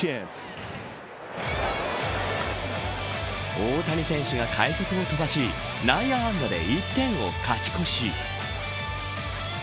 大谷選手が快足を飛ばし内野安打で１点を勝ち越し。